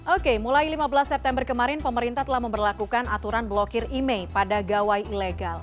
oke mulai lima belas september kemarin pemerintah telah memperlakukan aturan blokir email pada gawai ilegal